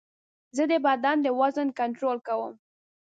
زه د بدن د وزن کنټرول کوم.